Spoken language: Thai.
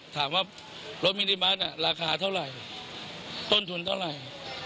ถามว่ารถมินิบัสราคาเท่าไหร่ต้นทุนเท่าไหร่